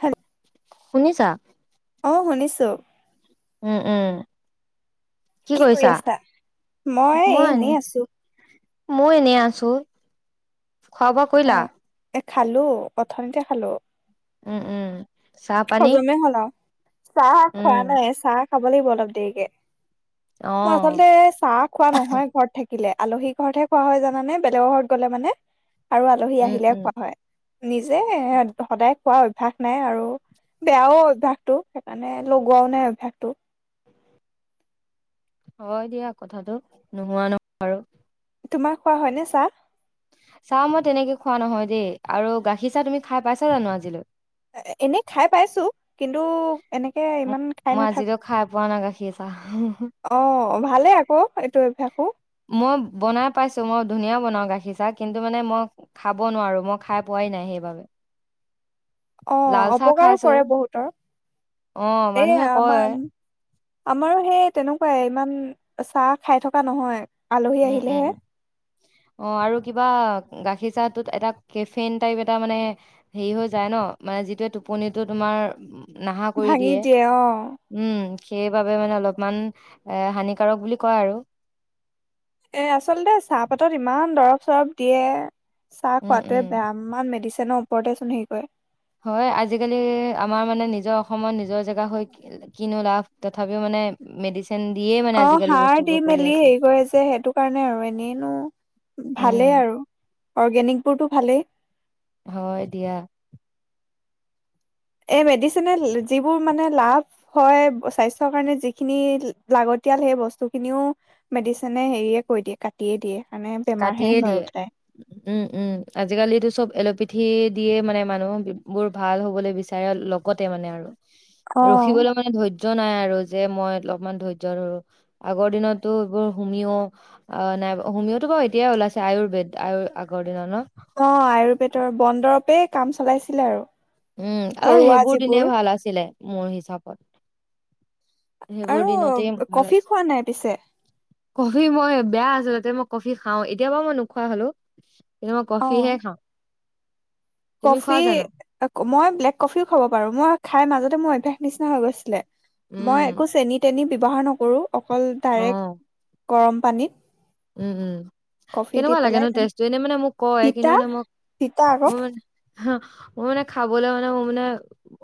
হেল শুনিছা অ শুনিছো উ উ কি কৰি আছা মই এনেই আছো মইও এনেই আছো খোৱা বোৱা অ কৰিলা খালো অথনিতে খালো উ উ হজমে হল আও। চাহ উম, খোৱা নাই চাহ। খাব লাগিব অলপ দেৰিকে। মই অ', আচলতে চাহ খোৱা নহয় ঘৰত থাকিলে। আলহী ঘৰতহে খোৱা হয় জানানে বেলেগৰ ঘৰত গ'লে মানে। আৰু আলহী উম, আহিলে উম। খোৱা হয়। নিজে সদায় খোৱা অভ্যস নাই আৰু। বেয়াও অভ্যাসটো সেইকাৰণে লগোৱাও নাই অভ্যাসটো। হয় দিয়া কথাটো নোহোৱা নহয় আৰু তোমাক খোৱা হয়নে চা? চা মই তেনেকে খোৱা নহয় দেই, আৰু গাখীৰ চাহ তুমি খাই পাইছা জানো আজিলৈ? এনে খাই পাইছো। কিন্তু, এনেকে ইমান খাই মই আজিতো নাথাকো খাই পোৱা নাই গাখীৰ চাহ। অ ভালে আকৌ এইটো অভ্যাসো মই বনাই পাইছো মই ধুনীয়া বনাওঁ গাখীৰ। গাখী ছা, কিন্তু মানে মই খাব নোৱাৰো মই খাই পোৱাই নাই সেইবাবে। অ লাল চাহ অপকাৰো খাইছো কৰে বহুতৰ। অ', এই মানুহে কয় আমাৰ আমাৰো সেই তেনেকুৱাই ইমান চাহ খাই থকা নহয়। আলহী উম, আহিলে উম। হে। অ আৰু কিবা গাখীৰ চাহটোত এটা কেফেন টাইপ এটা মানে হেৰি হৈ যায় ন, মানে যিটোৱে টোপনিটো তোমাৰ, নাহা কৰি ভাঙি অ দিয়ে। উম সেইবাবে মানে অলপমান এ হানিকাৰক বুলি কয় আৰু। এ আচলতে চাহপাতত ইমান দৰব চৰব দিয়ে। চাহ উম উম খোৱাতোয়ে বেয়া ইমান মেডিচন অ ওপৰতে চোন সেয়ি কয়ে। হয়। আজিকালি আমাৰ মানে নিজৰ অসমত নিজৰ জেগা হৈ কিনো লাভ, তথাপিও মানে ম অ সাৰ দি মেলি হেৰি কৰে যে সেইটো কাৰণে আৰু এনেইনো উম ভালেই আৰু। অৰ্গেনিকবোৰতো ভালেই। হয় দিয়া। এই মেডিচিনে যিবোৰ মানে লাভ হয় স্বাস্থ্যৰ কাৰণে যিখিনি লাগতিয়াল সেই বস্তুখিনিও মেডিচিনে হেৰিয়ে কৈ দিয়ে, কাটিয়ে দিয়ে। কাৰণে বেমাৰহে কাটিয়ে হৈ দিয়ে। ওলায় উম। উম। আজিকালিটো চব এল'পেথি দিয়ে মানে মানুহ বোৰ ভাল হ'বলৈ বিচাৰে লগতে মানে আৰু। অ ৰখিবলৈ মানে ধৈৰ্য ধৈহ্য নাই আৰু, যে মই অলপমান ধৈৰ্য ধৰো। আগৰ দিনতো এইবোৰ হোমিও অ' নাই হোম তটো এতিয়াই ওলাইছে আয়ুৰ্বেদ আয় আগৰ দিনৰ নত অ' আয়ুৰ্বেদৰ বনন্দৰৱে কাম চলাইছিলে আৰু। উম। অ' ঘৰুৱা সেইবোৰ দিনে যিবোৰ ভাল আছিলে। মোৰ হিচাপত। সেইবোৰ আৰু দিনতে ভাল কফি আছে। খোৱা নাই পিছে কবি মই বেয়া আছিলো। যে মই কফি খাও। এতিয়া পৰা মই নোখোৱা হ'লো। এটো মই অ কফিহে খাওঁ। তুমি কফি খোৱা জানো মই ব্লেক কফিও খাব পাৰো। মই। খাই মাজতে মোৰ অভ্যাস নিচিনা হৈ গৈছিলে। উম মই একো চেনি-তেনি। ব্যৱহাৰ নকৰোঁ। অকল অ ডাইৰেক্ট। গৰম পানীত। উম। উম। কফি দি কেনেকুৱা লাগে পেলাই ন তেজটো? এনেই মানে মোক কয় তিতা কিন্তু মানে মোক তিতা আকৌ মোৰ মানে। হ মই মানে খাবলৈ মানে মোৰ মানে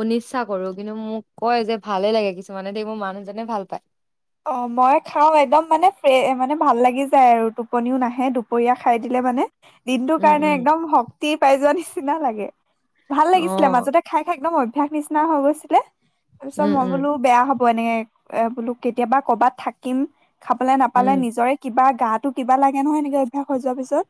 অনচ্ছা কৰো, কিন্তু মোক কয় যে ভালে লাগে কিছুমানে দে মোৰ মানুহজনে ভাল পায়। অ' মই খাও একদম মানে ফ্ৰ মানে ভাল লাগি যায় আৰু টোপনিও নাহে দুপৰীয়া খাই দিলে মানে। দিনটোৰ উম কাৰণে উম একদম শক্তি পাই যোৱা নি নিচিনা লাগে। ভাল অ লাগিছিলে। মাজতে খাই খাই [unintelligible] ক ন মই। াস নিচিনা হৈ গৈছিলে। তাৰ পিছত উম মই উম বোলো বেয়া হ'ব। ত এনেকৈ বোলো। কেতিয়াবা কৰ'বাত থাকিম। খাবলে নাপালে উম নিজৰে কিবা। গাটো কিবা লাগে নহয়, নেকি অভ্যাস হৈ যোৱাৰ পিছত।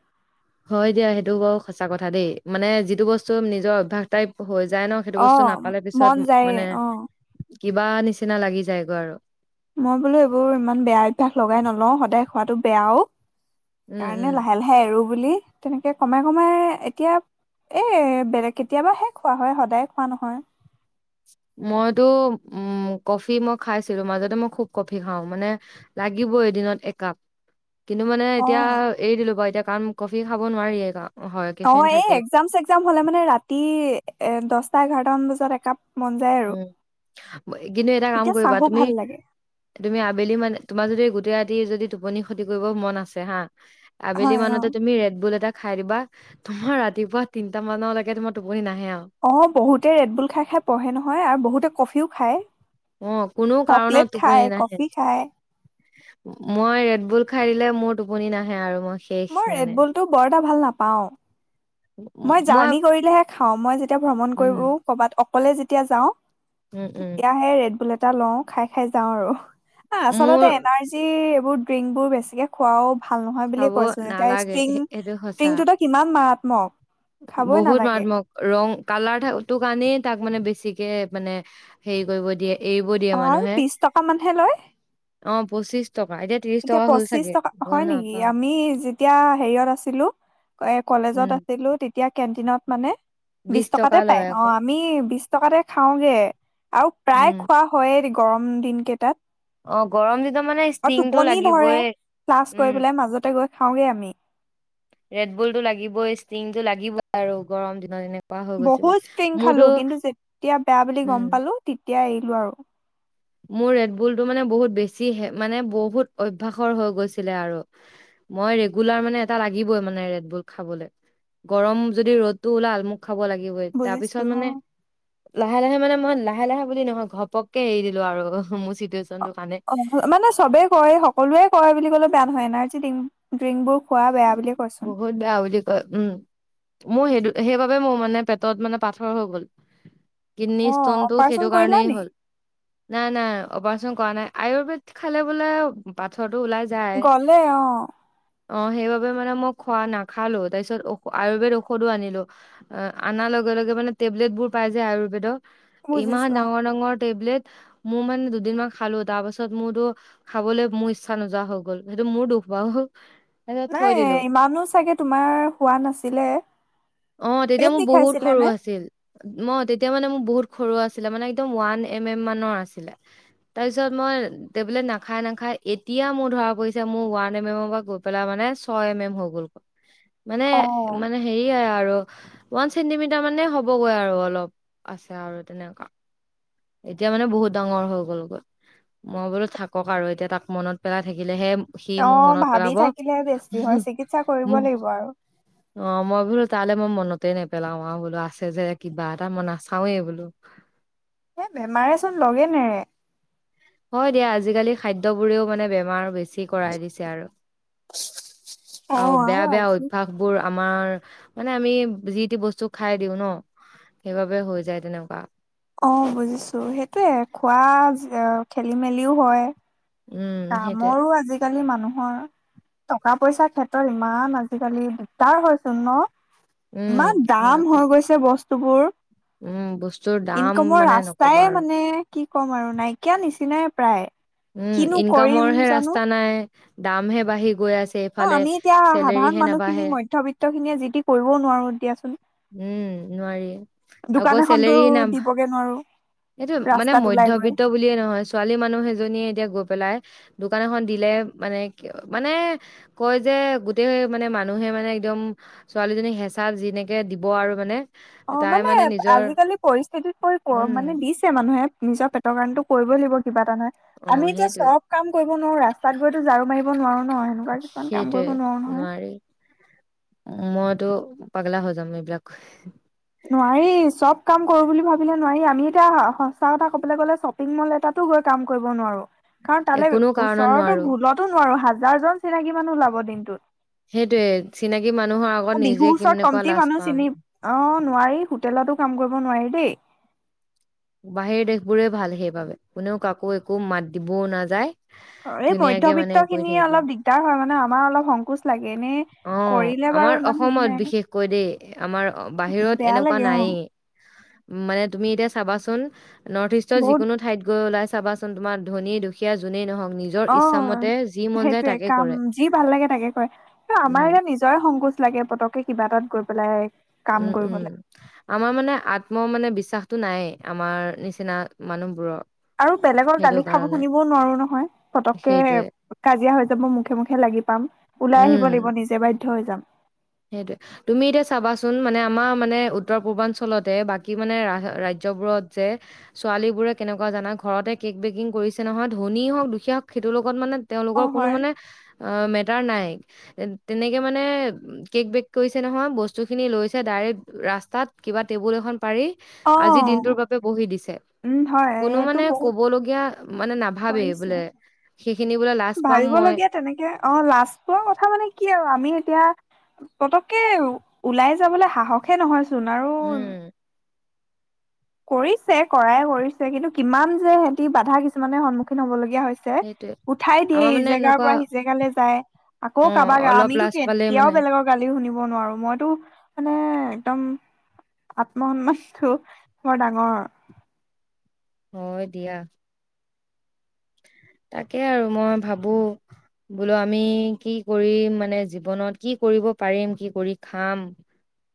হয় দিয়া সেইটো বাৰু সঁচা কথা দেই মানে যিটো বস্তু নিজৰ অভ্যাস টাইপ হৈ যায় ন সেইটো অ বস্তু নাপালে পিছত মন যায়ে মানে অ কিবা নিচিনা লাগি যায়গৈ আৰু। মই বোলো এইবোৰ ইমান বেয়া অভ্যাস লগাই নলও সদায় খোৱাাটো বেয়াও উম সেইকাৰণে উম লাহে লাহে এৰু বুলি তেনেকে কমাই কমাই এতিয়া এই বেলেগ কেতিয়াবাহে খোৱা হয় সদায় খোৱা নহয়। মইতো উ কফি মই খাইছিলো মাজতে মই খুব কফি খাওঁ মানে লাগিব এদিনত একাপ। কিন্তু মানে অ এতিয়া এৰি দিলো বাৰু এতিয়া কাৰণ কফি খাব নোৱাৰি গাওঁ অ এই একজাম চেগজাম হলে মানে ৰাতি এ দহটা টা এঘাৰতামান বজাত একাপ মন যায় আৰু উম কিন্তু এটা কাম তেতিয়া কৰিবা চাহো তুমি ভাল লাগে তুমি আবেলি মানে তোমাৰ যদি গোটেই ৰা যদি টোপনি ক্ষতি কৰিব মন আছে হা হয় অ আবেলিমানতে তুমি ৰেডবুল এটা খাই দিবা তোমাৰ ৰাতিপুৱা তিনটা মানলৈকে তোমাৰ টোপনি নাহ অ বহুতেই ৰেডবুল খাই খাই পঢ়ে নহ হয় আৰু বহুতে কফিও খায়। অ কোনো চকলেট কাৰণত খায় টোপনি নাহে। কফি খায় মই ৰেডবুল খাই দিলে মোৰ টোপনি নাহে আৰু মই শেষ মই মানে ৰেডবুলটো বৰটা ভাল নাপাওঁ। মই জাৰ্ণি কৰিলেহে খাওঁ মই যেতিয়া ভ্ৰমণ কৰো উম কৰবাত অকলে যেতিয়া যাওঁ। উম উম তেতিয়াহে ৰেডবুল এটা এটা লওঁ, খাই খাই যাওঁ আৰু। আ আচলতে মোৰ এনাৰ্জি এইবোৰ ড্ৰিংকবোৰ বেছিকে খোৱাও ভাল নহয় বুলিয়ে খাব কৈছে তাই নালাগে ষ্ট্ৰিং সে- সেইটো সঁচা ষ্ট্ৰিংটোতে কিমান মাৰা ম বহুত মাৰাত্মক ৰং কালাৰ তোক আানেই তাক মানে বে ছিকে মানে হেৰি কৰিব দিয়ে। এৰিব দিয়ে অ আৰু মানুহে বিশ টকা মানহে লয়। পঁচিছ এতিয়া পচিশ টকা, হয় নেকি নাপাওঁ আমি যেতিয়া হেৰিয়ত আছিলো, কলেজত উম আছিলো তেত তেতিয়া কেণ্টিনত মানে বিশ টকা টকাতে পাই লয় আকৌ অ', আমি বিশ টকাতে খাওগে। আৰু প্ৰায় উম খোৱা হয়ে গৰম দিন কেইটাত অ', গৰম দিন অ', টোপনি ধৰে, ক্লাছ কৰি উম পেলাই মাজতে গৈ খাওঁগে আমি। ৰেডবুলটো লাগিবৈ, ষ্টিং টো লাগিবই আৰু গৰম দিনত এনে বহুত ষ্ট্ৰিং খালো, কিন্তু যেতিয়া বেয়া বুলি উম গম পালো তেতিয়া এৰি লো আৰু। মোৰ ৰেডবুলতটো মানে বহুত বেছি মানে বহুত অভ্যাসৰ হৈ গৈছিলে আৰু, মই ৰেগুলাৰ মানে এটা লাগিবই মানে ৰেডবুল খাবলৈ। গৰম যদি ৰ'দটো ওলাল, মোক খা খাব লাগিবৈ, তাৰ বুজিছো পিছত মানে লাহে-লাহে মানে মই লাহে-লাহে বুলি নহয়, ঘপককে এৰি দিল লো আৰু, মোৰ চিটোএচ অ', মানে চবে কৰে, সকলোৱে কৰে বুলি ক'লে বেয়া নহয় এনাৰজি ডিং-ড্ৰিংক বোৰ বহুত বেয়া বুলি কয়, উম। মোৰ সেইতো সেইবাবে মোৰ মানে পেটত মানে পাথৰ হৈ গ'ল। কিডনী অ ষ্টোনতটো অপাৰেচন সেইটো কৰিলা কাৰণেই নি হ'ল, নাই নাই অপাৰেচন কৰা নাই, আয়ুৰ্বেদ খালে বোলে পাথৰ গলে অঁ। অঁ, সেইবাবে মানে মই খোৱা-নাখালো, তাৰ পিছত ঔষ-আয়ুৰ্বেদ ঔষধো আনিলো, অ-আনা লগে-লগে মানে টেবলেট বোৰ পাই যায় আয়ুৰ্বেদৰ। ইমান বুজিছো অ ডাঙৰ-ডাঙৰ টেবলেট, মোৰ মানে দুদিনমান খালো তাৰ পাছত মোৰতো খাবলৈ মোৰ ইচ্ছা নোযোৱা হৈ গল, সেইটো মোৰ দুখ বাৰু তাৰপিছত থৈ নাই, দিলো ইমানো চাগে তোমাৰ হোৱা নাছিলে। অঁ', তেতিয়া পেট মোৰ বহুত বিষাইছিলে সৰু নে আছিল, ম-তেতিয়া এতিয়া মানে মোৰ বহুত সৰু আছিলে মানে একদম, ওৱান এম এম মানৰ আছিলে। তাৰ পিছত মই টেবলট নাখাই-নাখাই এতিয়া মোৰ ধৰা পৰিছে মোৰ ওৱান এম এমৰ পৰা গৈ পেলাই মানে ছয় এম এম হৈ গলগৈ। অ মানে-মানে হেৰি এ আৰু, ওৱান চেন্টিমিটাৰ মানে হ'বগৈ আৰু অলপ, আছে আৰু তেনেকুৱা। এতিয়া মানে বহুত ডাঙৰ হৈ গ'লগৈ, মই বোলো থাকক আৰু এতিয়া তাক মনত পেলাই থাকিলেহে সি মোক অঁ', মনত ভাবি পেলাব থাকিলেহে বেছি হয়, চিকিৎসা কৰিব মোক লাগিব আৰু। অ', মই বোলো তালে মই মনতে নেপেলাও, আৰু বোলো আছে যে কিবা এটা মই নাচাওৱে বোলো। এ বেমাৰেচোন লগে নেৰে। হয় দিয়া আজিকালি খাদ্যবোৰেও মানে বেমাৰ বেছি কৰাই দিছে আৰু। অ আৰু বেয়া-বেয়া আজি অভ্যয়াসবোৰ আমাৰ মানে আমি যি তি বস্তু খাই দিওঁ ন সেইবাবে হৈ যায় তেনেকুৱা অঁ বুজিছো সেইটোয়ে খোৱা খেলি মেলিওঁ হয় উম, সেইটোয়ে কামৰো আজিকালি মানুহ। নহ, টকা পইচাৰ ক্ষেত্ৰত ইমান আজিকালি দিগদাৰ হয়চোন ন। উম, ইমান হয় দাম আকৌ। হৈ গৈছে বস্তু। বস্তুবোৰ উম, বস্তুৰ দাম ইনকমৰ মানে ৰাস্তাই নকবা আৰু মানে কি ক'ম, আৰু নাইকিয়া নিচিনাই প্ৰায় উম, কিনো ইন কৰিম কামৰ হে জানো? ৰাস্তা নাই? দামহে বাঢ়ি গৈ আছে। অঁ, এইফালে আমি এতিয়া চেলেৰিহে সাধাৰণ মানুহ নাবাঢ়ে খিনি মধ্যবিত্ত খিনিয়ে যি টি কৰিবও নোৱাৰো দিয়া চোন।। উম নোৱাৰি দোকান আকৌ এখনতো চেলেৰ নামভা দিবগে নোৱাৰো এইটো মানে ৰাস্তাত ওলাই গৈ। মধ্্যবিত্ত বুলিয়ে নহয় ছোৱালী মানুহ এজনীয়ে এতিয়া গৈ পেলাই দোকান এখন দিলে মানে কি মানে কয় যে গোতেেই মানে মানুহে মানে একদম ছোৱালীজনী হেঁচা যিনেকে দিব আৰু মানে অ তাই মানে নিজৰ আজিকালি পৰিস্থিতিত পৰি উম মানে দি মানুহে নিজৰ পেটৰ কাৰণটো কৰিবই লাগিব কিবা এটা নহয় অ আমি এতিয়া সেইটোৱে চব কাম কৰিব নোৱাৰো ৰাস্তাত গৈতো ঝাৰু মাৰিব নোৱাৰো নহ এনেকুৱা কিছুমান কাম সেইটোৱে কৰিব নোৱাৰো নহয় তটো পাগলা হৈ যাম এইবিলাক নোৱাৰি চব কাম কৰো বুলি ভাবিলে নোৱাৰি আমি এতিয়া সঁচা কথা কবলৈ গলে শ্বপিং মল এটাতো গৈ কাম কৰিব নোৱাৰো কাৰণ এ তালৈ কোনো কাৰণত ওচৰৰতো নোৱাৰো ভুলতো নোৱাৰো হাজাৰ জন চিনাকি মানুহ ওলাব দিনটোত সেইটোৱে চিনাকি মানুহৰ আগত নিজে বিহুৰ কি ওচৰত মানে কোৱা কমট লাজ মানুহ পাম চিনি অ হোটেলতো কাম কৰিব নোৱাৰি দেই বাহিৰ দেশ বোৰে ভাল সেইবাবে কোনেও কাকো একো মাত দিবও নাযায় অ এই ধুনীয়াকে মানে মধ্্যবিত্ত কৰি খিনিয়ে থাকিব অলপ দিগদাৰ হয় মানে আমাৰ অলপ সংকোচ লাগে এনে অ কৰিলে বাৰু আমাৰ ইমান হেৰি অসমত নাই বিশেষকৈ দেই আমাৰ বাহিৰত বেয়া এনেকুৱা লাগে অ নাই মানে তুমি এতিয়া চাবা আচল নৰ্থ ইষ্টৰ বহুত যিকোনো ঠাইত গৈ ওলাইছে চাবাচোন তোমাৰ ধনী দুখীয়া যোনেই নহওক নিজৰ অ ইচ্ছামতে যি মন যায় সেইটোয়ে তাকে কাম কৰে। যি ভাল লাগে তাকে ক ত আমাৰ উম, এতিয়া নিজৰে সংকোচ লাগে পতককে কিবা তাত গৈ পেলাই কাম উম উম কৰিবলৈ আমাৰ মানে আত্ম মানে বেছি বি নায়েই আমাৰ নিচিনা মানুহবোৰৰ আৰু বেলেগৰ সেইটো গালি খাব কাৰণে শুনিবও নোৱাৰো নহয় পতককে সেইটোৱে, কাজিয়া হৈ যাব মুখে মুখে লাগি পাম ওলাই আহিব লাগিব নিজে বা থৈ যাম সেইটোয়ে তুমি এতিয়া চাবাচোন মানে আমাৰ মানে উত্তৰ পূৰ্বাঞ্চলতে বাকী মানে ৰাজ্যবোৰত যে ছোৱালী বোৰে কেনেকুৱা জানা ঘৰতে কেক বেকিং কৰিছে নহয় ধনী হওক দুখীয়া হওক সেইটো লগত মানে অ তেওঁলোকৰ কোনো হয় মানে অ তাৰ নাই তেনেকে মানে কেক বেক কৰিছে নহয় বস্তুখিনি লৈছে ডাইৰেক্ট ৰাস্তাত কিবা টেবুল এখন পাৰি অ আজি দিনটোৰ বাবে বহি দিছে উম হয় কোনো এইটো মানে বহুত কবলগীয়া মানে নাভাবেই কৰিছে বোলে সেইখিনি বোলে লাজ পাম মই ভাবিবলগীয়া তেনেকে অ লাজ পোৱা কথা মানে কি আৰু আমি এতিয়া পতককে ওলাই যাবলৈ সাহসে নহয় ছোন আৰু উম কৰিছে কৰাই কৰিছে কিন্তু কিমান যে সিহতি বাধা কিছুমানে সন্মুখীন হবলগে লগীয়া হৈছে সেইটোৱে উঠাই দিয়ে আমাৰ ই মানে জেগাৰ এনেকুৱা পৰা সি জেগালৈ যায় আকৌ অ', কাবা [unintelligible] গা অলপ আমিতো লাজ পালে কেতিয়াও মানে বেলেগৰ গালি শুনিব নোৱাৰো মইতো মানে একদম আত্মসন্মাতো। বৰ ডাঙৰ। হয় দিয়া। তাকে আৰু মই ভাবো বোলো আমি কি কৰিম মানে জীৱনত কি কৰিব পাৰিম কি কৰি খাম।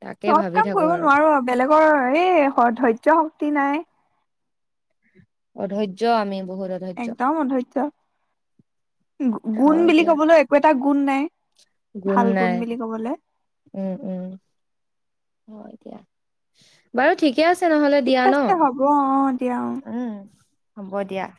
তাকে চব ভাবি কাম থাকো কৰিব নোৱাৰো আৰু বেলেগ। ৰ এই ধৈৰ্য্য শক্তি নাই। অধৈৰ্য আমি। বহুত অধৈৰ্য্য একদম অৰ্ধয্য। গুণ হয় বুলি দিয়া কবলৈ একো এটা গুণ নাই ভাল গুণ বুলি কবলৈ। উম উম হয় দিয়া বাৰু ঠিক। ঠিকে আছে নহলে ঠিক দিয়া আছে হ'ব অ দিয়া অ। ন উ। হ'ব দিয়া।